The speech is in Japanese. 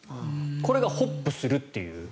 これがホップするという。